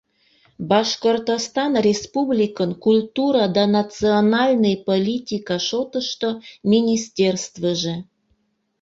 Башкортостан Республикын Культура да национальный политика шотышто министерствыже